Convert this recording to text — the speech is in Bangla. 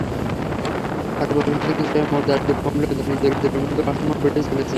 ফলে পরিসংখ্যানের হিসাবে মোট দারিদ্র্য কমলেও ধনী-দরিদ্রের মধ্যে অসাম্য বেড়েই চলেছে।